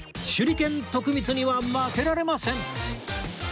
手裏剣徳光には負けられません